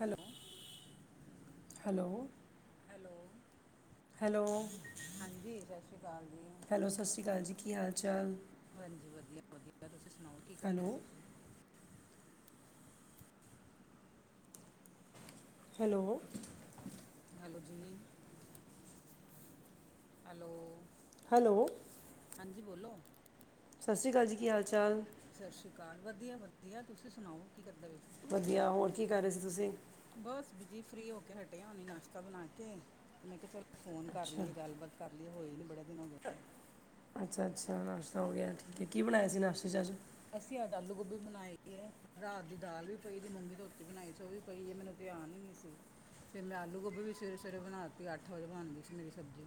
Hello [unintelligible] hello hello hello ਹਾਂਜੀ ਸਤਿ ਸ਼੍ਰੀ ਅਕਾਲ ਜੀ ਹੈਲੋ ਸਤਿ ਸ਼੍ਰੀ ਅਕਾਲ ਜੀ ਕੀ ਹਾਲ ਚਾਲ? ਭੈਣ ਜੀ ਵਧੀਆ ਵਧੀਆ ਤੁਸੀਂ ਸੁਣਾਓ? ਕੀ ਹੈਲੋ ਕਰਦੇ ਵੈਸੇ ਹੈਲੋ ਹੈਲੋ ਜੀ ਹੈਲੋ ਹੈਲੋ ਹਾਂਜੀ ਬੋਲੋ। ਸਤਿ ਸ਼੍ਰੀ ਅਕਾਲ ਜੀ ਕੀ ਹਾਲ ਚਾਲ? ਸਤਿ ਸ਼੍ਰੀ ਅਕਾਲ ਵਧੀਆ ਵਧੀਆ ਤੁਸੀਂ ਸੁਣਾਓ ਕੀ ਕਰਦੇ ਪਏ? ਵਧੀਆ ਹੋਰ ਕੀ ਕਰ ਰਹੇ ਸੀ ਤੁਸੀਂ? ਬਸ ਬੀਜੀ ਫਰੀ ਹੋ ਕੇ ਹਟੇ ਆ ਹੁਣੇ ਨਾਸ਼ਤਾ ਬਣਾ ਕੇ ਮੈਂ ਕਿਹਾ ਚੱਲ ਫੋਨ ਕਰ ਅੱਛਾ ਲਈਏ ਗੱਲਬਾਤ ਕਰ ਲਈਏ ਹੋਈ ਨੀ ਬੜੇ ਦਿਨ ਹੋ ਗਏ ਅੱਛਾ-ਅੱਛਾ ਨਾਸ਼ਤਾ ਹੋ ਗਯਾ ਠੀਕ ਏ ਕੀ ਬਣਾਆ ਸੀ ਨਾਸ਼ਤੇ ਚ ਅੱਜ ਅਸੀਂ ਅੱਜ ਆਲੂ-ਗੋਭੀ ਬਣਾਈ ਦੀ ਏ ਰਾਤ ਦੀ ਦਾਲ ਵੀ ਪਈ ਦੀ ਮੁਂਗੀ ਧੋਤੀ ਬਣਾਈ ਸੀ ਓ ਵੀ ਪਈ ਏ ਮੈਨੂੰ ਧਿਆਨ ਈ ਨੀ ਸੀ ਫਿਰ ਮੈਂ ਆਲੂ-ਗੋਭੀ ਵੀ ਸਵੇਰੇ-ਸਵੇਰੇ ਬਣਾਤੀ ਅੱਠ ਵਜੇ ਬਣ ਗੀ ਸੀ ਮੇਰੀ ਸਬਜ਼ੀ।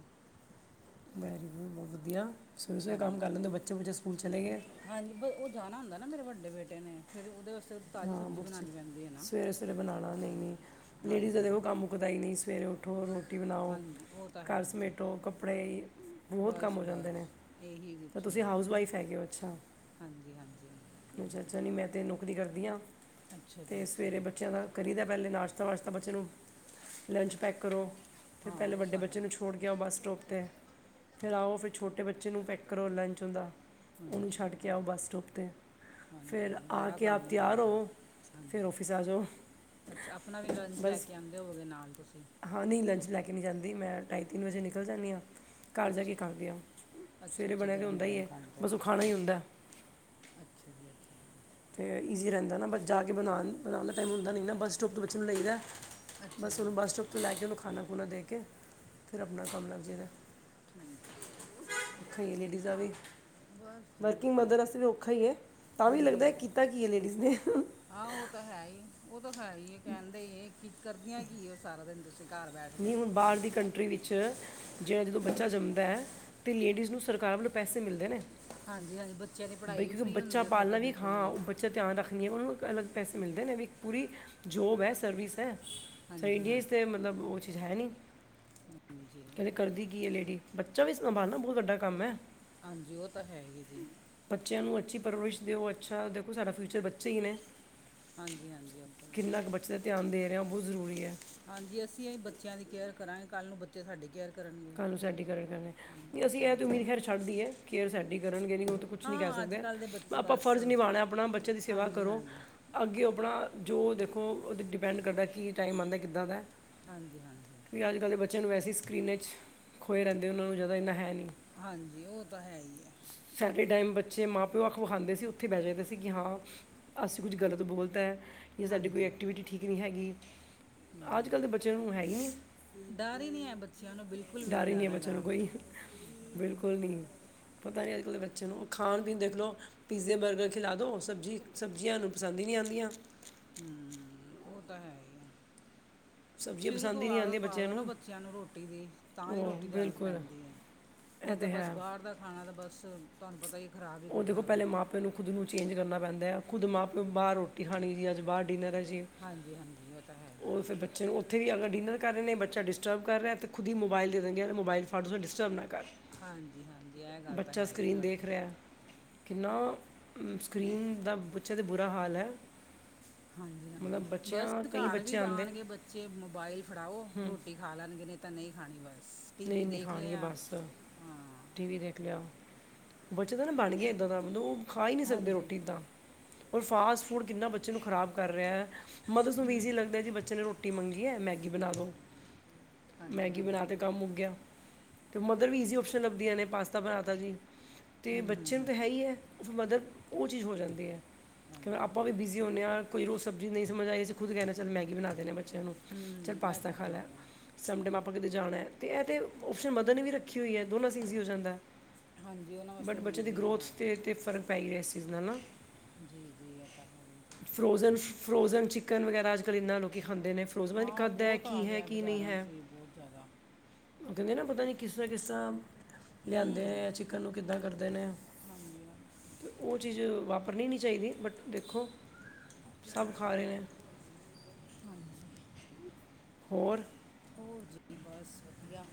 ਵੈਰੀ ਗੁਡ ਬੋਤ ਵਧੀਆਂ ਸਵੇਰੇ-ਸਵੇਰੇ ਕੰਮ ਹਾਂਜੀ ਕਰ ਲੈਂਦੇ ਬੱਚੇ- ਬੁਚੇ ਸਕੂਲ ਚਲੇ ਗਏ। ਹਾਂਜੀ ਵੇ ਓ ਜਾਣਾ ਹੁੰਦਾ ਨਾ ਮੇਰੇ ਵਡੇ ਬੇਟੇ ਨੇ ਫ਼ਿਰ ਓਦੇ ਵਾਸਤੇ ਤਾਜ਼ੀ ਸਬਜ਼ੀ ਬਣਾਣੀ ਪੈਂਦੀ। ਹੈ ਨਾ ਸਵੇਰੇ-ਸਵੇਰੇ ਬਣਾਣਾ ਨਈ ਏ। ਲੇਡੀਜ਼ ਦਾ ਹਾਂਜੀ ਦੇਖੋ ਕੰਮ ਮੁਕਦਾ ਈ ਨਈ ਸਵੇਰੇ ਉਠੋ ਰੋਟੀ ਬਣਾਓ ਹਾਂਜੀ ਉਹ ਤਾਂ ਹੈ ਕੱਰ ਜੀ ਸਮੇਟੋ ਕੱਪੜੇ ਬੋਤ ਕੰਮ ਬਸ ਹੋ ਜਾਂਦੇ ਨੇ ਬਸ ਇਹੀ ਤੇ ਕੁਛ ਤੁਸੀਂ ਹੈ ਹਾਊਸਵਾਈਫ ਹੈਗੇ ਓ ਅੱਛਾ ਹਾਂਜੀ ਹਾਂਜੀ ਅੱਛਾ-ਅੱਛਾ ਨਈ ਮੈਂ ਤੇ ਨੌਕਰੀ ਕਰਦੀ ਆਂ ਅੱਛਾ ਜੀ ਤੇ ਅੱਛਾ ਸਵੇਰੇ ਜੀ ਬੱਚਿਆਂ ਦਾ ਕਰੀ ਦਾ ਪੈਲੇ ਨਾਸ਼ਤਾ-ਵਸ਼ਤਾ ਬੱਚੇ ਨੂੰ ਲੰਚ ਪੈਕ ਕਰੋ ਫ਼ਿਰ ਹਾਂ ਪੈਲੇ ਉਹ ਵੱਡੇ ਤਾਂ ਹੈ ਬੱਚੇ ਨੂੰ ਛੁ ਛੋੜ ਕੇ ਆਓ ਬੱਸ ਸਟੋਪ ਤੇ ਫ਼ਿਰ ਆਓ ਫ਼ਿਰ ਛੋਟੇ ਬੱਚੇ ਨੂੰ ਪੈਕ ਕਰੋ ਲੰਚ ਉੰਦਾ ਓਨੂੰ ਛੱਡ ਕੇ ਆਓ ਬੱਸ ਸਟੋਪ ਤੇ ਫਿਰ ਹਾਂਜੀ-ਹਾਂਜੀ ਆ ਬੜਾ ਕੇ ਆਪ ਕੰਮ ਹੋ ਤਿਆਰ ਜਾਂਦਾ ਫਿਰ ਹਾਂਜੀ ਆਫਿਸ ਆ ਜਾਓ ਅੱਛਾ ਅਪਣਾ ਵੀ ਲੰਚ ਲੈ ਬਸ ਕੇ ਆਂਦ ਦੇਵੋਗੇ ਨਾਲ ਤੁਸੀਂ ਹਾਂ ਨਈ ਲੰਚ ਲੈ ਕੇ ਨੀ ਜਾਂਦੀ ਮੈਂ ਢਾਈ-ਤਿੰਨ ਵਜੇ ਨਿਕਲ ਜਾਂਨੀ ਆਂ। ਕੱਰ ਜਾ ਕੇ ਅੱਛਾ ਕਾਰਦੇ ਆਂ ਅੱਛਾ ਸਵੇਰੇ ਅੱਛਾ ਬਣਯਾ ਤਾਂ ਗਰਮ ਹੁੰਦਾ ਈ ਗਰਮ ਏ ਖਾਂਦੇ ਬਸ ਹੋ ਓ ਖਾਣਾ ਈ ਹੁੰਦਾ। ਅੱਛਾ ਜੀ ਅੱਛਾ। ਤੇ ਈਜ਼ੀ ਰੈੰਦਾ ਨਾ ਬਸ ਜਾ ਕੇ ਬਣਾਣ ਬਣਾਣ ਦਾ ਟਾਈਮ ਹੁੰਦਾ ਨੀ ਨਾ ਬੱਸ ਸਟੋਪ ਤੋਂ ਬੱਚਿਆਂ ਨੂੰ ਲਈਦਾ ਅੱਛਾ ਬਸ ਜੀ ਓਨੂੰ ਬੱਸ ਸਟੋਪ ਤੋਂ ਲੈ ਕੇ ਓਨੂੰ ਖਾਣਾ-ਖੁਣਾ ਦੇ ਕੇ ਫਿਰ ਅਪਣਾ ਕੰਮ ਲੱਗ ਜਾਇਦਾ। ਠੀਕ। ਕਈ ਲੇਡੀਜ਼ਾਂ ਵੀ ਬਸ ਜੀ ਵਰਕਿੰਗ ਵਧੀਆ ਮਦਰ ਵਾਸਤੇ ਵੀ ਔਖਾ ਈ ਏ ਤਾਂ ਵੀ ਲੱਗਦਾ ਕੀਤਾ ਕੀ ਏ ਲੇਡੀਜ਼ ਨੇ ਆਹ ਓ ਤਾਂ ਹੈ ਈ ਓ ਤਾਂ ਹੈ ਈ ਏ ਕੈੰਦੇ ਈ ਏ ਕੀ ਕਰਦੀਆਂ ਕੀ ਏ ਸਾਰਾ ਦਿਨ ਤੁਸੀਂ ਕੱਰ ਬੈਠ ਕੇ ਨਈ ਹੁਣ ਬਾਰ ਦੀ ਕੰਟਰੀ ਵਿੱਚ ਜੇੜਾ ਜਦੋਂ ਬੱਚਾ ਜੰਮਦਾ ਤੇ ਲੇਡੀਜ਼ ਨੂੰ ਸਰਕਾਰ ਵੱਲੋਂ ਪੈਸੇ ਮਿਲਦੇ ਨੇ। ਹਾਂਜੀ-ਹਾਂਜੀ ਬੱਚਿਆਂ ਦੀ ਬਈ ਪੜ੍ਹਾਈ ਵੀ ਕਿਉਂਕਿ ਫ੍ਰੀ ਬੱਚਾ ਹੁੰਦੀ ਓਥੇ ਤਾਂ ਪਾਲਣਾ ਇੱਕ ਬਿਲਕੁਲ ਹਾਂ ਵੀ ਉਹ ਬੱਚਾ ਧਿਆਨ ਰੱਖਦੀ ਐ ਓਨਾਂ ਨੂੰ ਅਲੱਗ ਪੈਸੇ ਮਿਲਦੇ ਨੇ ਵੀ ਪੂਰੀ ਜੋਬ ਐ ਸਰਵਿਸ ਐ। ਹਾਂਜੀ ਹਾਂ ਇੰਡੀਆ ਚ ਤੇ ਮਤਲਬ ਓ ਚੀ ਹੈ ਨੀ ਹਾਂਜੀ ਕੈੰਦੇ ਕਰਦੀ ਕੀ ਏ ਲੇਡੀ ਬੱਚਾ ਵੀ ਸੰਭਾਲਨਾ ਬੋਤ ਵੱਡਾ ਕੰਮ ਹੈ ਹਾਂਜੀ ਓ ਤਾਂ ਹੈ ਈ ਏ ਜੀ। ਬੱਚਿਆਂ ਨੂੰ ਅੱਛੀ ਪਰਵਰਿਸ਼ ਦਿਓ ਅੱਛਾ ਦੇਖੋ ਸਾਡਾ ਫਿ਼ਊਚਰ ਬੱਚੇ ਈ ਨੇ ਹਾਂਜੀ-ਹਾਂਜੀ ਓਦਾ ਈ ਬਚੇ ਤੇ ਧਿਆਨ ਦੇ ਰੇਆ ਬੋਤ ਜ਼ਰੂਰੀ ਐ। ਹਾਂਜੀ ਅਸੀਂ ਓ ਈ ਬੱਚਿਆਂ ਦੀ ਕੇਅਰ ਕਰਾਂਗੇ ਕੱਲ ਨੂੰ ਬੱਚੇ ਸਾਡੀ ਕੇਅਰ ਕਰਨਗੇ ਕੱਲ੍ਹ ਨੂੰ ਸਾਡੀ ਕੇਅਰ ਕਰਨ ਹਾਂਜੀ ਨਈ ਉਹ ਅਸੀਂ ਐ ਹੈ ਤਾਂ ਹੀ। ਉਮੀਦ ਖੈਰ ਛੱਡ ਦੀ ਏ ਕੇਅਰ ਸਾਡੀ ਕਰਨਗੇ ਨੀ ਓ ਤੇ ਕੁਛ ਨੀ ਕੈ ਹਾਂ ਅੱਜ ਸਕਦੇ ਕੱਲ ਦੇ ਬੱਚੇ ਆਪਾਂ ਬਸ ਫਰਜ਼ ਨਿਭਾਣਾ ਆਪਣਾ ਬੱਚਿਆਂ ਦੀ ਸੇਵਾ ਹਾਂਜੀ ਕਰੋ। ਹਾਂਜੀ ਅੱਗੇ ਆਪਣਾ ਜੋ ਦੇਖੋ ਓਦੇ ਡਿਪੈਂਡ ਕਰਦਾ ਕੀ ਟਾਈਮ ਆਂਦਾ ਕਿੱਦਾਂ ਦਾ ਐ। ਹਾਂਜੀ-ਹਾਂਜੀ। ਕਿ ਅੱਜ-ਕੱਲ ਦੇ ਬੱਚਿਆਂ ਨੂੰ ਵੈਸੇ ਸਕਰੀਨ ਚ ਖੋਏ ਰੈੰਦੇ ਓਨਾਂ ਨੂੰ ਜਾਦਾ ਏਨਾ ਹੈ ਨੀ। ਹਾਂਜੀ ਉਹ ਤਾਂ ਹੈ ਈ ਐ। ਸਾਡੇ ਟਾਈਮ ਬੱਚੇ ਮਾਂ-ਪਿਓ ਅੱਖ ਵਿਖਾਂਦੇ ਸੀ ਓੱਥੇ ਬੈ ਜਾਇਦਾ ਸੀ ਕਿ ਹਾਂ ਅਸੀ ਕੁਝ ਗ਼ਲਤ ਬੋਲਤਾ ਕੀ ਸਾਡੀ ਕੋਈ ਹਾਂਜੀ ਐਕਟੀਵਿਟੀ ਠੀਕ ਨੀ ਹੈਗੀ ਅੱਜ ਕੱਲ ਦੇ ਬੱਚਿਆਂ ਨੂੰ ਹੇ ਈ ਨੀ। ਡਾਰ ਈ ਨੀ ਹੈ ਬੱਚਿਆਂ ਨੂੰ ਬਿਲ ਡਾਰ ਹੀ ਨੀ ਹੈ ਬੱਚਿਆਂ ਨੂੰ ਕੋਈ ਬਿਲਕੁਲ ਨੀ ਐ। ਪਤਾ ਨੀ ਅੱਜ ਕੱਲ ਦੇ ਬੱਚਿਆਂ ਨੂੰ, ਖਾਣ ਪੀਣ ਦੇਖ ਲੋ। ਪੀਜ਼ੇ, ਬਰਗਰ ਖਿਲਾ ਦੋ ਸਬਜੀ਼ ਸਬਜ਼ੀਆਂ ਇਹਨੂੰ ਪਸੰਦ ਹੀ ਨੀ ਆਦੀਆ। ਹੂੰ ਓ ਤਾਂ ਹੈ ਈ ਐ। ਸਬਜ਼ੀਆਂ ਸ਼ੁਰੂ ਪਸੰਦ ਤੋਂ ਹੀ ਨਹੀਂ ਆਦਤ ਆਉਂਦੀਆਂ ਪਾ ਬੱਚਿਆਂ ਦੋ ਨਾ ਬੱਚਿਆਂ ਨੂੰ ਰੋਟੀ ਦੀ ਤਾਂ ਹੀ ਉਹ ਰੋਟੀ ਦੀ ਆਦਤ ਬਿਲਕੁਲ ਪੈਂਦੀ ਐ। ਇਹ ਨੀ ਤਾ ਤੇ ਬਸ ਹੈ ਬਾਰ ਦਾ ਖਾਣਾ ਤਾ ਬਸ ਤੁਹਾਨੂੰ ਪਤਾ ਹੀ ਖ਼ਰਾਬ ਹੀ ਕਰਦਾ ਵੇ। ਪੇਲੋ ਖੁਦ ਨੂੰ ਚੇਂਜ ਕਰਨਾ ਪੈਂਦਾ ਖੁਦ ਮਾਂ ਪਿਓ ਬਾਰ ਰੋਟੀ ਖਾਣੀ ਜੀ ਅੱਜ ਬਾਰ ਡਿੰਨਰ ਐ ਜੀ। ਹਾਂਜੀ-ਹਾਂਜੀ ਓ ਤਾਂ ਹੈ ਈ ਐ। ਉਹ ਫਿਰ ਬੱਚੇ ਨੂੰ ਉੱਥੇ ਵੀ ਅਗਰ ਡਿੰਨਰ ਕਰ ਰੇ ਨੇ ਬੱਚਾ ਡਿਸਟਰਬ ਕਰ ਰਿਆ ਤਾਂ ਖੁਦ ਹੀ ਮੋਬਾਇਲ ਦੇ ਦੇਣਗੇ ਐ ਮੋਬਾਇਲ ਫੜ ਲੋ ਡਿਸਟਰਬ ਨਾ ਕਰ। ਹਾਂਜੀ-ਹਾਂਜੀ ਐ ਗੱਲ ਤਾਂ ਬੱਚਾ ਹੈ ਈ ਏ ਸਕਰੀਨ ਦੇਖ ਤੁਹਾਡੀ। ਰਿਹਾ ਕਿੰਨਾ ਸਕਰੀਨ ਦਾ ਬੱਚਿਆਂ ਤੇ ਬੁਰਾ ਹਾਲ ਐ। ਹਾਂਜੀ-ਹਾਂਜੀ ਬਸ ਕਾਰ ਵੀ ਆਂਦੇ ਆਣਗੇ ਬੱਚੇ ਮੋਬਾਇਲ ਫੜਾਓ ਹੂੰ ਰੋਟੀ ਖਾ ਲੈਣਗੇ ਨਈ ਤਾ ਨਈ ਖਾਣੀ ਬਸ ਟੀ ਵੀ ਦੇਖ ਲਿਆ ਹਾਂ। ਟੀ ਵੀ ਦੇਖ ਲਿਆ ਬੱਚੇ ਤਾ ਨਾ ਬਣ ਗਿਆ ਏਦਾਂ ਦਾ ਮਤਲਬ ਉਹ ਖਾ ਹੀ ਨਈ ਸਕਦੇ ਹਾਂਜੀ ਰੋਟੀ ਇੱਦਾ। ਔਰ ਫਾਸਟ ਫੂਡ ਕਿੰਨਾ ਬੱਚੇ ਨੂੰ ਖ਼ਰਾਬ ਕਰ ਰਿਆ। ਮਦਰਸ ਨੂੰ ਵੀ ਈਜੀ ਲਗਦਾ ਜੀ ਬੱਚੇ ਨੇ ਰੋਟੀ ਮੰਗੀ ਐ ਮੈਗੀ ਬਣਾ ਦੋ। ਹਾਂਜੀ ਮੈਗੀ ਬਣਾ ਹਾਂਜੀ ਤੇ ਕੰਮ ਮੁਕ ਗਿਆ। ਤੇ ਮਦਰ ਵੀ ਈਜ਼ੀ ਓਪਸ਼ਨ ਲੱਭਦੀਆਂ ਨੇ ਪਾਸਤਾ ਬਣਾਤਾ ਜੀ ਅਤੇ ਹੂੰ ਹੂੰ ਬੱਚੇ ਨੂੰ ਹੂੰ ਤਾਂ ਹੈ ਈ ਐ। ਮਦੱਤ ਓ ਚੀਜ਼ ਹੋ ਜਾਂਦੀ ਐ। ਕਈ ਵਾਰ ਹਾਂਜੀ ਆਪਾਂ ਵੀ ਹੂੰ ਬਿਜ਼ੀ ਹੁਣੇ ਆ, ਕੋਈ ਰੋਜ਼ ਸਬਜ਼ੀ ਨਈ ਸਮਝ ਖੁਦ ਕੇ ਦਨ ਚਲ ਮੈਗੀ ਬਣਾ ਦੇਣੇ ਆ ਬੱਚਿਆਂ ਨੂੰ। ਚੱਲ ਹੂੰ ਇਹ ਪਾਸਤਾ ਤਾਂ ਖਾ ਹੈ ਲੈ ਹੀ ਆ ਸਮ ਟਾਈਮ ਆਪਾਂ ਕਿਤੇ ਜਾਣਾ ਤੇ ਏ ਤੇ ਓਪਸ਼ਨ ਮਦਨ ਨੇ ਵੀ ਰੱਖੀ ਹੋਈ ਐ। ਦੋਨਾਂ ਆਸੇ ਈਜੀ ਹੋ ਜਾਂਦਾ। ਹਾਂਜੀ ਉਹ ਨਾ ਬਟ ਬੱਚਿਆਂ ਦੀ ਗਰੋਥ ਤੇ, ਤੇ ਫ਼ਰਕ ਪੈ ਰਿਆ ਇਸ ਚੀਜ਼ ਨਾਲ ਨਾ। ਜੀ-ਜੀ ਐ [unintelligible] ਫਰੋਜ਼ਨ-ਫਰੋਜ਼ਨ ਚਿਕਨ ਵਗੈਰਾ ਅੱਜ ਕੱਲ ਇਨਾਂ ਲੋਕੀ ਖਾਂਦੇ ਨੇ। [unintelligible] ਮਨ ਹਾਂ ਕਦ ਦੇ ਬਹੁਤ ਕੀ ਆ ਹੈ ਗਿਆ ਕੀ ਨਈ ਬਾਜ਼ਾਰਾਂ ਹੈ। 'ਚ ਵੀ ਬਹੁਤ ਜ਼ਿਆਦਾ ਉਹ ਕੇਂਦੇ ਨਾ ਪਤਾ ਨੀ ਕਿਸਰਾ-ਕਿਸਰਾ ਲਿਆਂਦੇ ਹੂੰ ਨੇ ਚਿਕਨ ਨੂੰ ਕਿੱਦਾਂ ਕਰਦੇ ਨੇ। ਹਾਂਜੀ ਹਾਂਜੀ ਤੇ ਉਹ ਚੀਜ਼ ਵਾਪਰਨੀ ਨਈ ਚਾਈਦੀ ਬਟ ਦੇਖੋ ਸਭ ਖਾ ਰੇ ਨੇ। ਹਾਂਜੀ। ਹੋਰ। ਹੋਰ ਜੀ ਬਸ ਵਧੀਆ।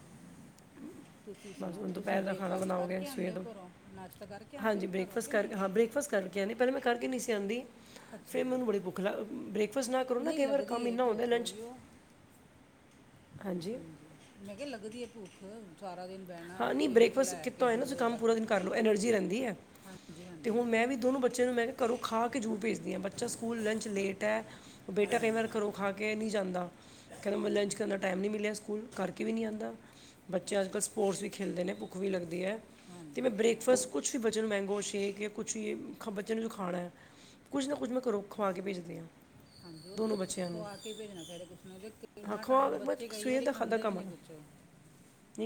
ਤੁਸੀਂ ਬਸ ਸੁਣਾਓ ਹੁਣ ਤੁਸੀਂ ਦੁਪਹਿਰ ਦਾ ਖਾਣਾ ਬ੍ਰੇਕਫਾਸਟ ਬਣਾਓਗੇ ਕਰਕੇ ਸਵੇਰ ਆਦੇ ਔ ਦਾ ਕਰੋਂ, ਨਾਸ਼ਤਾ ਕਰਕੇ ਆਂਦੇ ਔ ਕਰੋਂ ਕਿ ਨਈ? ਕੇਨੀ ਪੈਲੇ ਮੈਂ ਕਰਕੇ ਨੀ ਸੀ ਆਂਦੀ। ਫੇਰ ਜੀ ਮੈਨੂੰ ਬੜੀ ਭੁੱਖ ਲੱ ਬ੍ਰੇਕਫਾਸਟ ਨਾ ਕਰੋ ਨਾ ਨਹੀਂ ਕਈ ਵਾਰ ਲੱਗਦੀ ਕੰਮ ਏ ਇੰਨਾ ਹੁੰਦਾ ਭੁੱਖ ਲੰਚ ਉਹੀਓ ਹਾਂਜੀ ਮੈ ਕਿਆ ਲੱਗਦੀ ਏ ਭੁੱ ਹਾਂ ਨੀ ਬ੍ਰੇਕਫਾਸਟ ਲੈ ਕੀਤਾ ਕੇ ਹੋਆ ਨਾ ਤੁਸੀਂ ਵਜੇ ਕੰਮ ਪੂਰਾ ਦਿਨ ਤੱਕ ਕਰ ਲੋ ਐਨਰਜੀ ਰੇਂਦੀ ਏ। ਹਾਂਜੀ ਹਾਂ ਤੇ ਹੁਣ ਮੈਂ ਵੀ ਦੋਨੋਂ ਬਚ ਚਿਆ ਨੂੰ ਮੈਂ ਕਿਆ ਕਰੋ ਖਾ ਕੇ ਜੂਰਰ ਭੇਜਦੀ ਐ ਬੱਚਾ ਸਕੂਲ ਲੰਚ ਲੇਟ ਐ ਬੇਟਾ ਕਈ ਹਾਂਜੀ ਵਾਰ ਕਰੋ ਖਾ ਕੇ ਨੀ ਜਾਂਦਾ ਕੇਂਦਾ ਮੈਂ ਲੰਚ ਕਰਨ ਦਾ ਟਾਈਮ ਨੀ ਮਿਲਿਆ ਸਕੂਲ ਕਰਕੇ ਵੀ ਨੀ ਆਦਾ ਬੱਚੇ ਅੱਜ ਅੱਛਾ ਕੱਲ ਅੱਛਾ ਸਪੋਰਟਸ ਵੀ ਖੇਲਦੇ ਨੇ ਭੁੱਖ ਵੀ ਲੱਗਦੀ ਐ। ਤੇ ਹਾਂਜੀ ਮੈਂ ਉਹ ਤਾਂ ਹੈ ਬ੍ਰੇਕਫਾਸਟ ਕੁਛ ਵੀ ਬੱਚਿਆਂ ਨੂੰ ਮੈਂਗੋ ਸ਼ੇਕ ਜਾਂ ਕੁਛ ਵੀ ਬੱਚਿਆਂ ਨੂੰ ਜੋ ਖਾਣਾ ਐ। ਕੁੱਝ ਨਾ ਕੁਝ ਮੈਂ ਕਰੋਂ ਖਵਾ ਕੇ ਭੇਜਦੀ ਆ। ਹਾਂਜੀ ਓ ਤੇ ਕੁਛ ਖਵਾ ਕੇ ਭੇਜਣਾ ਚਾਈਦਾ, ਕੁਛ ਨੇ ਹਾਂ ਕਿੰਨਾ ਖਵਾ ਟਾਈਮ ਬਸ ਬੱਚੇ ਕਈ ਸਵੇਰ ਵਾਰੀ ਦਾ ਖਾਂਦੇ ਵੀ ਨੀ ਕੁਛ। [inaudible]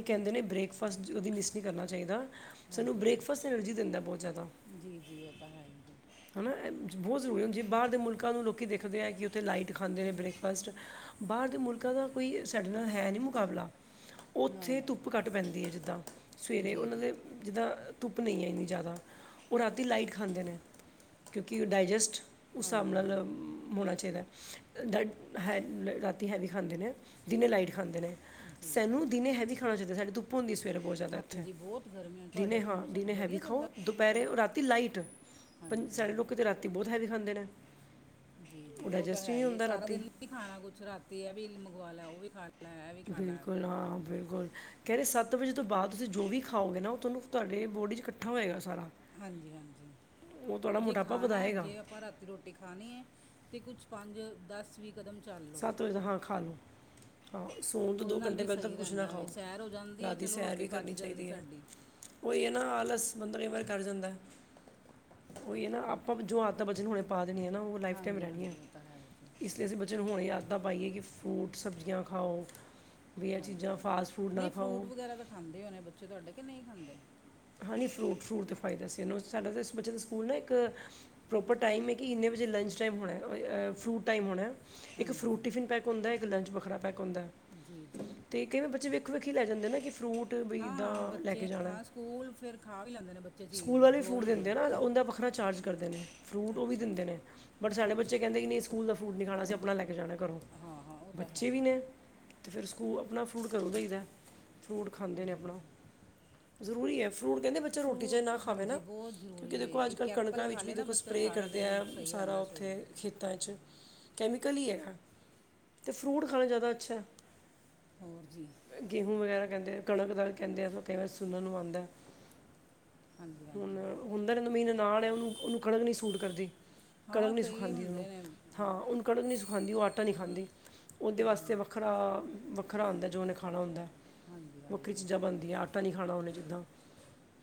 ਕੇਂਦੇ ਨੇ ਬ੍ਰੇਕਫਾਸਟ ਓਦੀ ਮਿਸ ਨਈ ਕਰਨਾ ਚਾਈਦਾ। ਸਾਨੂੰ ਬ੍ਰੇਕਫਾਸਟ ਐਨਰਜੀ ਦਿੰਦਾ ਬੋਤ ਜਾਦਾ। ਜੀ-ਜੀ, ਓ ਤਾਂ ਹੈ ਈ ਜੇ। ਹੈਨਾ ਬੋਤ ਜ਼ਰੂਰੀ ਹੁੰਦੀ ਐ ਬਾਰ ਦੇ ਮੁਲਕਾਂ ਨੂੰ ਲੋਕੀ ਦੇਖਦੇ ਐ ਕਿ ਓਥ ਉੱਥੇ ਲਾਈਟ ਖਾਂਦੇ ਨੇ ਬ੍ਰੇਕਫਾਸਟ ਬਾਰ ਦੇ ਮੁਲਕਾਂ ਦਾ ਕੋਈ ਸਾਡੇ ਨਾਲ ਹੈ ਨੀ ਮੁਕਾਬਲਾ। ਨਹੀਂ ਓਥੇ ਧੁੱਪ ਨਹੀਂ ਘੱਟ ਪੈਂਦੀ ਐ ਜਿੱਦਾਂ ਸਵੇਰੇ ਜੀ ਓਨਾਂ ਜੀ ਦੇ ਜਿੱਦਾ ਧੁੱਪ ਨੀ ਐ ਏਨੀ ਜਾਦਾ ਓ ਰਾਤੀ ਲਾਈਟ ਖਾਂਦੇ ਨੇ ਕਿਉਂਕਿ ਡਾਇਜੈਸਟ, ਉਸ ਸਾਬ ਹਾਂਜੀ ਨਾਲ ਹਾਂਜੀ ਮ ਮੋਣਾ ਚਾਈਦਾ, ਡ ਹੈ ਰਾਤੀ ਹੈਵੀ ਖਾਂਦੇ ਨੇ ਦਿਨੇ ਲਾਈਟ ਖਾਂਦੇ ਨੇ। ਜੀ ਜੀ ਸੈਨੂੰ ਦਿਨੇ ਹੈਵੀ ਖਾ ਖਾਣਾ ਚਾਈਦਾ ਸਾਡੀ ਧੁੱਪ ਹੁੰਦੀ ਸਵੇਰੇ ਬੋਤ ਜਾਦਾ ਏਥੇ, ਹਾਂਜੀ ਬਹੁਤ ਗਰਮੀ ਹੈ ਤੁਹਾਡੇ ਦਿਨੇ ਉੱਥੇ ਹਾਂ ਮੌਸਮ ਦਿਨੇ ਹੈਵੀ ਵਧੀਆ ਖਾਓ। ਦੁਪੈਰੇ ਔਰ ਰਾਤੀ ਲਾਈਟ ਹਾਂਜੀ-ਹਾਂ। ਲੋਕੀ ਤੇ ਰਾਤੀ ਬੋਤ ਹੈਵੀ ਖਾਂਦੇ ਨੇ ਜੀ-ਜੀ, ਉਹ ਓ ਤਾਂ ਡਾਈਜੈਸਟ ਹੀ ਹੈ ਨਹੀਂ ਈ ਏ ਹੁੰਦਾ ਸਾਰਾ ਰਾਤੀ ਦਿਨ ਖਾਣਾ ਕੁਛ ਰਾਤੀ ਏਵੀ ਮੰਗਵਾ ਲੈ ਓ ਵੀ ਖਾ ਲੈ। ਬਿਲਕੁਲ ਹਾਂ ਬਿਲਕੁਲ। ਕੈਂਦੇ ਸੱਤ ਵਜੇ ਤੋਂ ਬਾਦ ਤੁਸੀਂ ਜੋ ਵੀ ਖਾਓਗੇ ਨਾ ਓ ਤੁਆਨੂੰ ਤਾਡੇ ਬੋਡੀ ਚ ਕੱਠਾ ਹੋਏਗਾ ਸਾਰਾ। ਹਾਂਜੀ-ਹਾਂਜੀ, ਉਹ ਤੁਹਾਡਾ ਜੇ ਮੋਟਾਪਾ ਖਾਣਾ ਐ ਵਧਾਏਗਾ ਜੇ ਆਪਾਂ ਰਾਤੀ ਰੋਟੀ ਖਾਣੀ ਏ ਤੇ ਕੁਛ ਪੰਜ-ਦਸ-ਵੀਂਹ ਕਦਮ ਚੱਲ ਲਓ ਸੱਤ ਵਜੇ ਤਾਂ ਹਾਂ ਖਾ ਲਓ। ਆਹੋ ਸੋਣ ਤੋਂ ਉਹਦੇ ਦੋ ਨਾਲ ਘੰਟੇ ਵੀ ਪੈਲਾਂ ਤਾਂ ਸਹੀ ਕੁਛ ਨਾ ਰਹਿੰਦਾ ਵੇ ਖਾਓ ਸੈਰ ਹੋ ਜਾਂਦੀ ਹੈ ਰਾਤੀ ਚਲੋ ਸੈਰ ਰੋਟੀ ਵੀ ਕਰਨੀ ਪਚ ਜਾਂਦੀ ਚਾਈਦੀ ਐ। ਸਾਡੀ ਓਈ ਐ ਨਾ ਆਲਸ ਬੰਦਾ ਕਈ ਵਾਰ ਕਰ ਜਾਂਦਾ ਏ। [inaudible] ਓਈ ਐ ਨਾ ਆਪਾਂ ਜੋ ਆਦਤਾਂ ਬੱਚੇ ਨੂੰ ਹੁਣੇ ਪਾ ਦੇਣੀ ਆ ਨਾ ਓ ਲਾਈਫ ਟਾਇਮ ਹਾਂਜੀ ਰੈਂਨੀਆ। ਹਾਂਜੀ ਉਹ ਤਾਂ ਹੈ ਜੀ ਤੇ ਅਸੀਂ ਬੱਚਿਆ ਨੂੰ ਹੁਣੇ ਆਦਤਾਂ ਪਾਈਆਂ ਕਿ ਫਰੂਟ ਸਬਜ਼ੀਆਂ ਖਾਓ। ਵੀ ਇਹ ਹਾਂਜੀ ਚੀਜ਼ਾਂ ਫਾਸਟ ਫੂਡ ਨਾ ਨੀ ਫਰੂਟ ਖਾਓ ਵਗੈਰਾ ਤਾਂ ਖਾਂਦੇ ਹੋਣੇ ਬੱਚੇ ਤੁਆਡੇ ਕਿ ਨੀਂ ਖਾਂਦੇ? ਹਾਂ ਨੀ ਫਰੂਟ-ਫਰੂਟ ਦਾ ਖਵਾਇਦਾ ਸੀ ਏਨੂੰ ਸਾਡਾ ਤਾਂ ਏਸ ਬੱਚੇ ਦੇ ਸਕੂਲ ਨਾ ਏਕ ਪ੍ਰੋਪਰ ਟਾਈਮ ਐ ਕਿ ਇੰਨੇ ਵਜੇ ਲੰਚ ਟਾਈਮ ਹੋਣਾ ਫਰੂਟ ਟਾਈਮ ਹੋਣਾ, ਏਕ ਹਾਂਜੀ ਫੂਰਟ ਟਿਫਨ ਪੈਕ ਹੁੰਦਾ ਲੰਚ ਵੱਖਰਾ ਪੈਕ ਹੁੰਦਾ ਹਾਂਜੀ ਜੀ ਤੇ ਜੀ ਤੇਂ ਕਈ ਬੱਚੇ ਵੇਖੋ ਵੇਖੀ ਈ ਲੈ ਜਾਂਦੇ ਨੇ ਕਿ ਫਰੂਟ ਵੀ ਇੱਦਾਂ ਹਾਂ-ਹਾਂ, ਲੈ ਬੱਚੇ ਕੇ ਜਾਣਾ ਹਾਂ ਸਕੂਲ ਫਿਰ ਖਾ ਵੀ ਲੈਂਦੇ ਨੇ ਚੀਜ਼ ਸਕੂਲ ਵਾਲੇ ਜੋ ਫਰੂਟ ਵੀ ਦੋ ਦਿੰਦੇ ਨਾ ਓਦਾ ਵੱਖਰਾ ਚਾਰਜ ਕਰਦੇ ਨੇ ਫਰੂਟ ਓਵੀ ਅੱਛਾ ਦਿੰਦੇ ਜੀ, ਨੇ। ਬਟ ਸਾਡੇ ਬੱਚੇ ਅੱਛਾ ਕੈਂਦੇ ਕਿ ਨਈ ਸਕੂਲ ਦਾ ਫਰੂਟ ਨੀਂ ਖਾਣਾ ਅਸੀਂ ਆਪਣਾ ਲੈ ਕੇ ਜਾਣਾ ਕਰੋ ਹਾਂ ਹਾਂ ਉਹ ਤਾਂ ਬੱਚੇ ਹੈ ਵੀ ਹੀ ਜੀ ਨੇ। ਤੇ ਫੇਰ ਸਕੂਲ ਆਪਣਾ ਫਰੂਟ ਕਰੋ ਦਈਦਾ ਫਰੂਟ ਖਾਂਦੇ ਨੇ ਜੀ ਜੀ ਅਪਣਾ, ਜ਼ਰੂਰੀ ਐ। ਫਰੂਟ ਹਾਂਜੀ ਬੋਤ ਜ਼ਰੂਰੀ ਕਿਉਂਕਿ ਐ ਦੇਖੋ ਅੱਜ ਕੱਲ ਇੱਕ ਐਪਲ ਕਣਕਾਂ ਖਾ ਵਿੱਚ ਵੀ ਲਏ ਨਾ ਦੇਖੋ ਬੱਚਾ ਸਪਰੇਅ ਸਾਰਾ ਕਰਦੇ ਦਿਨ ਈ ਆ ਸਈ ਸਾਰਾ ਰੈਂਦਾ ਸਵੇਰੇ ਉੱਥੇ ਖੇਤਾਂ ਚ, ਕੈਮੀਕਲ ਈ ਹੈਗਾ ਤੇ ਫਰੂਟ ਖਾਣਾ ਜਾਦਾ ਅੱਛਾ। ਹੋਰ ਜੀ। ਗੇਹੂ ਵਗੈਰਾ ਕੈਂਦੇ ਆ ਕਣਕ ਦਾ ਕੈਦੇ ਆ ਤਾਂ ਕਈ ਵਾਰੀ ਸੁਣਨ ਨੂੰ ਆਂਦਾ। ਹਾਂਜੀ ਹੁਣ ਹਾਂਜੀ ਹੁੰਦਾ ਏ ਮੇਰੀ ਨਨਾਨ ਐ ਓਨੂੰ-ਓਨੂੰ ਕਣਕ ਨੀ ਸੂਟ ਕਰਦੀ। ਕਣਕ ਹਾਂ ਨੀ ਕਈ ਸੂਖਾਦੀ ਓਨੂੰ ਹੁੰਦੇ ਨੇ ਹਾਂ, ਕਣਕ ਨੀ ਸੂਖਾਂਦੀ ਓ ਆਟਾ ਨੀ ਖਾਂਦੀ। ਉਹਦੇ ਜੀ ਵਾਸਤੇ ਵੱਖਰਾ- ਵੱਖਰਾ ਆਂਦਾ, ਜੋ ਉਹਨੇ ਖਾਣਾ ਹੁੰਦਾ ਐ। ਹਾਂਜੀ ਵੱਖਰੀ ਚੀਜ਼ਾਂ ਹਾਂਜੀ ਬਣਦੀਆਂ, ਆਟਾ ਨੀ ਖਾਣਾ ਉਹਨੇ ਜਿੱਦਾਂ।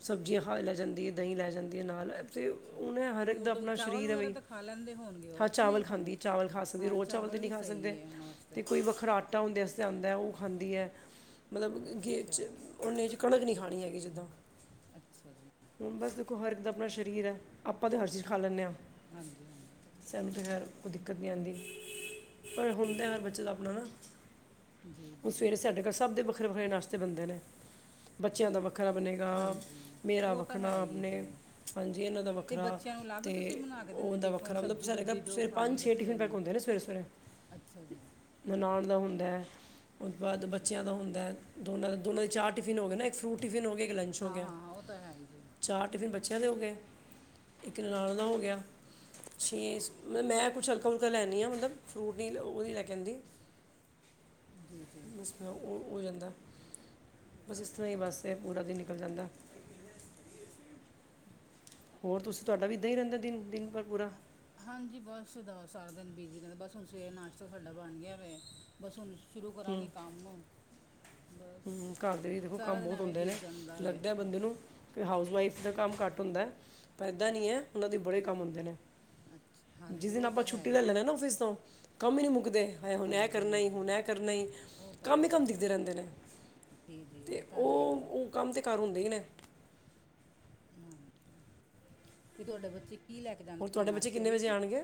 ਸਬਜ਼ੀਆਂ ਖਾ ਲੈ ਜਾਂਦੀ, ਦਹੀਂ ਲੈ ਜਾਂਦੀ ਨਾਲ ਅੱਛਾ ਤੇ ਅੱਛਾ ਉਹਨੇ ਹਰ ਇੱਕ ਦਾ ਫਰੂਟ ਆਪਣਾ ਚਾਵਲ ਸਰੀਰ ਹੈ ਵਗੈਰਾ ਬਈ, ਤਾਂ ਖਾ ਲੈਂਦੇ ਹੋਣਗੇ ਹਾਂ ਉਹ ਕਿ ਚਾਵਲ ਨਹੀਂ ਖਾਂਦੇ ਖਾਂਦੀ ਏ। ਚਾਵਲ ਖਾ ਸਕਦੀ, ਹਾਂ ਰੋਜ਼ ਚਾਵਲ ਤਾਂ ਨਹੀਂ ਵੀ ਖਾ ਸਕਦੇ ਸਹੀ ਹੈ ਉਹਨਾਂ ਤੇ ਵਾਸਤੇ ਕੋਈ ਵੱਖਰਾ ਆਟਾ ਹੁੰਦੇ ਆਸਤੇ ਆਂਦਾ ਓ ਖਾਂਦੀ ਏ। ਮਤਲਬ ਅੱਛਾ ਗੇਡ ਅੱਛਾ 'ਚ ਓਨੇ 'ਚ ਕਣਕ ਨਹੀਂ ਖਾਣੀ ਹੈਗੀ ਜਿੱਦਾਂ। ਅੱਛਾ ਜੀ। ਹੁਣ ਬਸ ਦੇਖੋ ਹਰ ਇੱਕ ਦਾ ਆਪਣਾ ਸਰੀਰ ਐ, ਆਪਾਂ ਤਾਂ ਹਰ ਚੀਜ਼ ਖਾ ਲੈਂਨੇ ਆ। ਹਾਂਜੀ -ਹਾਂਜੀ। ਸਾਨੂੰ ਤਾਂ ਖੈਰ ਕੋਈ ਦਿੱਕਤ ਨਹੀਂ ਆਂਦੀ, ਪਰ ਹੁੰਦਾ ਹਰ ਬੱਚੇ ਦਾ ਆਪਣਾ ਨਾ ਜੀ ਉਹ ਜੀ ਸਵੇਰੇ ਸਾਡੇ ਘਰ ਸਭ ਦੇ ਵੱਖਰੇ- ਵੱਖਰੇ ਨਾਸ਼ਤੇ ਬਣਦੇ ਨੇ, ਬੱਚਿਆਂ ਦਾ ਵੱਖਰਾ ਬਣੇ ਗਾ, ਹਾਂਜੀ ਮੇਰਾ ਉਹ ਤਾਂ ਵਖਣਾ ਹੈ ਆਪ ਹੀ ਹੈ ਨੇ ਜੀ ਹਾਂਜੀ ਇਹਨਾਂ ਦਾ ਤੇ ਵੱਖਰਾ ਬੱਚਿਆਂ ਨੂੰ ਅਲੱਗ ਤੇ ਤੁਸੀਂ ਬਣਾ ਕੇ ਓ ਦਿੰਦੇ ਦਾ ਟਿਫਨ ਵੱਖਰਾ, ਮਤਲਬ ਸਬਜੀ ਸਾਡੇ ਸੁਬਜੀ ਜੋ ਘਰੇ ਖਾਣੀ ਪੰਜ -ਛੇ ਟਿਫਨ ਬੱਚੇ ਪੈਕ ਹੁੰਦੇ ਨੇ ਸਵੇਰੇ -ਸਵੇਰੇ। ਅੱਛਾ ਜੀ। ਨਨਾਣ ਦਾ ਮੁੰਡਾ ਹੁੰਦਾ ਐ। ਉਹ ਤੋਂ ਬਾਅਦ ਅੱਛਾ ਬੱਚਿਆਂ ਦਾ ਹੁੰਦਾ, ਦੋਨਾਂ ਦੇ ਦੋਨਾਂ ਦੇ ਚਾਰ ਟਿਫਿਨ ਹੋ ਗਏ ਨਾ, ਇੱਕ ਫਰੂਟ ਟਿਫਿਨ ਹੋ ਗਏ, ਇੱਕ ਲੰ ਕੁਛ ਹੋ ਹਾਂ ਗਿਆ, ਹਾਂ ਹਾਂ ਉਹ ਤਾਂ ਹੈ ਹੀ ਜੀ ਚਾਰ ਟਿਫਿਨ ਬੱਚਿਆਂ ਦੇ ਹੋ ਗਏ, ਇੱਕ ਨਨਾਣ ਦਾ ਹੋ ਗਿਆ ਛੇ ਮਤਲਬ ਮੈਂ ਕੁਛ ਹਲਕਾ- ਹੁਲਕਾ ਲੈਣੀ ਆਂ, ਮਤਲਬ ਫਰੂਟ ਨਹੀਂ ਉਹ ਨਹੀਂ ਲੈ ਜਾਂਦੀ ਜੀ- ਜੀ ਹਾਂ ਓ ਹੋ ਜਾਂਦਾ, ਬਸ ਇਸ ਤਰ੍ਹਾਂ ਹੀ ਬੱਸ ਤੇ ਪੂਰਾ ਦਿਨ ਨਿਕਲ ਜਾਂਦਾ। [unintelligible] ਹੋਰ, ਤੁਸੀਂ ਤੁਹਾਡਾ ਇੱਦਾਂ ਹੀ ਰਹਿੰਦਾ ਦਿਨ-ਦਿਨ ਭਰ ਪੂਰਾ? ਹਾਂਜੀ, ਬਸ ਦ ਸਾਰਾ ਦਿਨ ਬਿਜ਼ੀ ਰਹਿੰਦਾ, ਬਸ ਹੁਣ ਸਵੇਰੇ ਨਾਸ਼ਤਾ ਸਾਡਾ ਬਣ ਗਿਆ ਵੈ ਬਸ ਹੁਣ ਸ਼ੁਰੂ ਕਰਾਂਗੇ ਹੂੰ ਕੰਮ ਬਸ ਹੂੰ, ਘਰ ਦੇ ਵੀ ਦੇਖੋ ਸਾਰਾ ਕੰਮ ਦਿਨ ਬਹੁਤ ਐਵੇਂ ਹੁੰਦੇ ਨੇ, ਬੀਤ ਜਾਂਦਾ ਵੇ ਲੱਗਦਾ ਬੰਦੇ ਬਸ ਨੂੰ ਕਿ ਹਾਊਸ ਵਾਈਫ ਦਾ ਕੰਮ ਘੱਟ ਹੁੰਦਾ, ਪਰ ਏਦਾਂ ਨਹੀਂ ਹੈ ਉਹਨਾਂ ਦੇ ਬੜੇ ਕੰਮ ਹੁੰਦੇ ਨੇ। ਅੱਛਾ ਜਿਸ ਹਾਂਜੀ ਦਿਨ ਉਹ ਆਪਾਂ ਤਾਂ ਹੈ ਛੁੱਟੀ ਹੀ ਲੈ ਲੈਨੇ ਆ ਨਾ ਔਫਿਸ ਤੋਂ, ਕੰਮ ਹੀ ਨਹੀਂ ਮੁੱਕਦੇ। ਮੈਂ ਹੁਣ ਐ ਹਾਂਜੀ ਕਰਨਾ ਈ, ਹਾਂਜੀ ਹੁਣ ਐ ਕਰਨਾ ਈ, ਕੰਮ ਹੀ ਕੰਮ ਦਿਖਦੇ ਰਹਿੰਦੇ ਨੇ। ਜੀ-ਜੀ ਤੇ ਇਹ ਤਾਂ ਹੈ ਹੀ ਉਹ ਜੀ। ਉਹ ਕੰਮ ਤੇ ਘਰ ਹੁੰਦੇ ਹੀ ਨੇ ਹੂੰ। ਕੀ ਤੁਹਾਡੇ ਬੱਚੇ ਕੀ ਲੈ ਕੇ ਜਾਂਦੇ ਹੋਰ ਸੀ ਤੁਹਾਡੇ ਬੱਚੇ ਨਾਸ਼ਤੇ ਕਿੰਨੇ ਵਜੇ ਵਿੱਚ? ਆਣਗੇ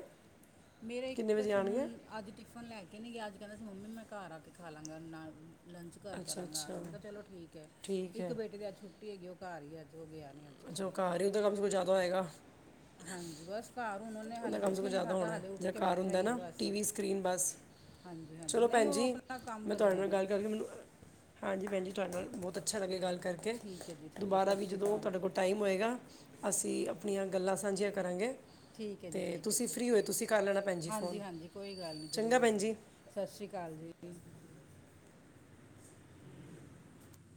ਮੇਰਾ ਇੱਕ ਕਿੰਨੇ ਤਾਂ ਵਜੇ ਆਣਗੇ ਅੱਜ ਟਿਫਨ ਲੈ ਕੇ ਨਹੀਂ ਗਿਆ, ਅੱਜ ਕਹਿੰਦਾ ਸੀ ਮੰਮੀ ਮੈਂ ਘਰ ਆ ਕੇ ਖਾ ਲਵਾਂਗਾ ਨਾਲ ਲੰਚ ਘਰ ਅੱਛਾ ਕਰਾਂਗਾ ਆ ਕੇ, ਅੱਛਾ ਮੈਂ ਕਿਹਾ ਚਲੋ ਠੀਕ ਐ, ਠੀਕ ਇੱਕ ਹੈ ਬੇਟੇ ਦੀ ਅੱਜ ਛੁੱਟੀ ਹੈਗੀ, ਉਹ ਘਰ ਹੀ ਅੱਜ, ਉਹ ਗਿਆ ਨਹੀਂ ਅੱਜ। ਅੱਛਾ, ਕਿਤੇ ਓ ਘਰ ਹੀ ਓਦਾ ਕੰਮ ਤੇ ਫਿਰ ਜ਼ਿਆਦਾ ਹੋਏਗਾ। ਹਾਂਜੀ, ਬਸ ਘਰ ਹੁਣ ਉਹਨੇ ਉਹਦਾ ਹਾਲੇ ਕੰਮ ਕੁਛ ਸਗੋਂ ਵੀ ਨਹੀਂ ਜ਼ਿਆਦਾ ਖਾਧਾ, ਹੋਣਾ ਹੈ ਹਾਲੇ ਉੱਠ ਕੇ ਜਿਹੜਾ ਘਰ ਬੈਠਾ ਹੁੰਦਾ ਹੀ ਐ ਨਾ ਬਸ। ਟੀਵੀ ਸਕਰੀਨ ਬਸ ਹਾਂਜੀ-ਹਾਂਜੀ। ਚਲੋ ਨਹੀਂ ਭੈਣ ਉਹ ਜੀ ਆਪਣਾ ਕੰਮ ਮੈਂ ਤੁਹਾਡੇ ਕਰੇਗਾ ਨਾਲ ਜਾਂ ਗੱਲ ਕਰਕੇ ਮੈਨੂੰ ਹਾਂਜੀ ਭੈਣ ਜੀ, ਤੁਹਾਡੇ ਨਾਲ ਬਹੁਤ ਅੱਛਾ ਲੱਗਿਆ ਗੱਲ ਕਰਕੇ, ਠੀਕ ਹੈ ਜੀ ਠੀਕ ਹੈ ਦੁਬਾਰਾ ਸਤਿ ਵੀ ਸ਼੍ਰੀ ਜਦੋਂ ਅਕਾਲ ਤੁਹਾਡੇ ਜੀ ਕੋਲ ਟਾਈਮ ਹੋਏਗਾ, ਅਸੀਂ ਆਪਣੀਆਂ ਗੱਲਾਂ ਸਾਂਝੀਆਂ ਕਰਾਂਗੇ। ਠੀਕ ਏ ਜੀ, ਤੇ ਠੀਕ ਏ ਤੁਸੀਂ ਜੀ। ਫ੍ਰੀ ਹੋਏ ਤੁਸੀਂ ਕਰ ਲੈਣਾ ਭੈਣ ਜੀ ਫੋਨ ਹਾਂਜੀ-ਹਾਂਜੀ ਕੋਈ ਗੱਲ ਨਹੀਂ ਚੰਗਾ ਜ਼ਰੂਰ ਭੈਣ ਜੀ। ਸਸ਼ ਸ਼੍ਰੀ ਕਾਲ ਜੀ।